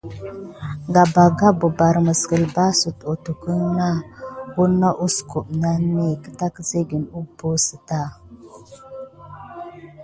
Gabaga ɓɑɓɑrɑ kelba site ototuhe nà wature kusuhobi kasa maylni wukedé hubosita.